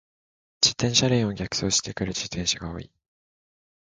自転車レーンを逆走してくる自転車が多い。